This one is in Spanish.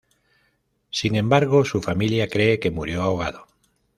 Sin embargo su familia cree que murió ahogado.